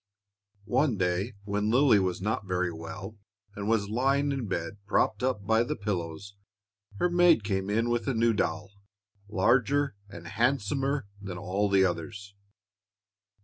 One day, when Lily was not very well, and was lying in bed propped up by the pillows, her maid came in with a new doll, larger and handsomer than all the others.